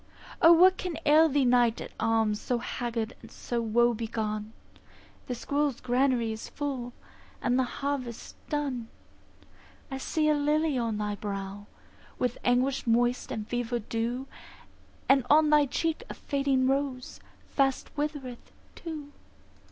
O, what can ail thee, Knight at arms, So haggard and so woe begone? The squirrel's granary is full, And the harvest's done. I see a lily on thy brow, With anguish moist and fever dew; And on thy cheek a fading rose Fast withereth too.